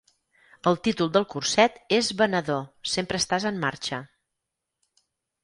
El títol del curset és Venedor, sempre estàs en marxa.